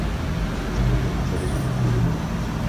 Je zde velice rozvinutý rybolov.